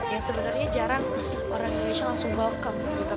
yang sebenarnya jarang orang indonesia langsung welcome gitu